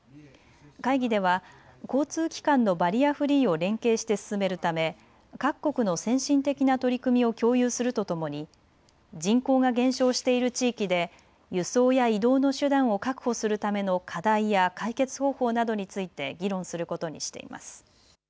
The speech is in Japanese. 会議では交通機関のバリアフリーを連携して進めるため各国の先進的な取り組みを共有するとともに人口が減少している地域で輸送や移動の手段を確保するための課題や解決方法などについて議論することにしています。